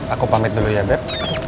aku pamit dulu ya bep